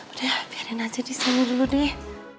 udah biarin aja disini dulu deh